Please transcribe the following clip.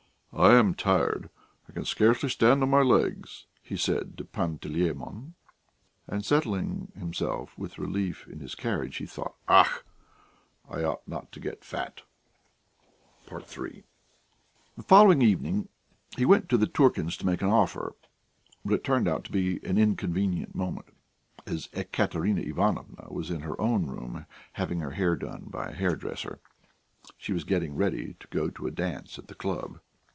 "I am tired; I can scarcely stand on my legs," he said to Panteleimon. And settling himself with relief in his carriage, he thought: "Och! I ought not to get fat!" III The following evening he went to the Turkins' to make an offer. But it turned out to be an inconvenient moment, as Ekaterina Ivanovna was in her own room having her hair done by a hair dresser. She was getting ready to go to a dance at the club.